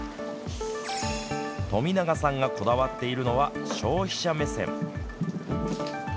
富永さんがこだわっているのは消費者目線。